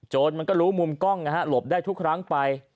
มันก็รู้มุมกล้องนะฮะหลบได้ทุกครั้งไป